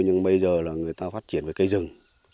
nhưng bây giờ là người ta phát triển về cây rừng